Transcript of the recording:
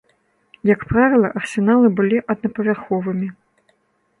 Як правіла арсеналы былі аднапавярховымі.